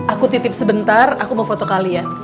aku titip sebentar aku mau foto kalian